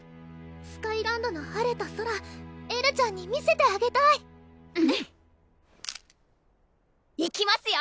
スカイランドの晴れた空エルちゃんに見せてあげたいいきますよ！